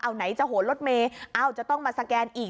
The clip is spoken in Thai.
เอาไหนจะโหนรถเมย์เอ้าจะต้องมาสแกนอีก